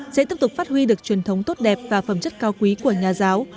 sẽ tiếp tục phát huy được truyền thống tốt đẹp và phẩm chất cao quý của nhà giáo